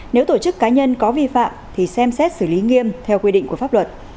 nếu tổ chức cá nhân có vi phạm thì xem xét xử lý nghiêm theo quy định của pháp luật